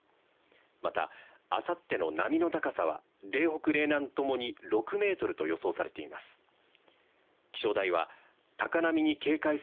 また、あさっての波の高さは嶺北、嶺南ともに６メートルと予想されています。